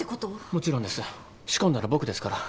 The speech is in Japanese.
もちろんです仕込んだの僕ですから。